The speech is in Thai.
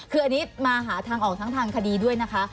คืออันนี้มาหาทางออกทั้งทางคดีด้วยนะคะ